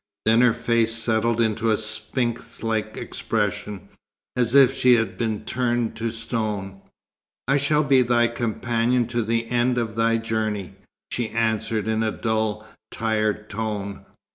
Then her face settled into a sphinx like expression, as if she had been turned to stone. "I shall be thy companion to the end of thy journey," she answered in a dull, tired tone.